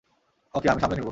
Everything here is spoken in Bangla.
অকে, আমি সামলে নিব।